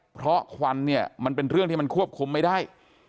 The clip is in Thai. เพราะควันเนี่ยมันเป็นเรื่องที่มันควบคุมไม่ได้